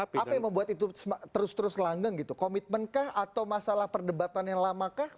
apa yang membuat itu terus terus langgeng gitu komitmenkah atau masalah perdebatan yang lamakah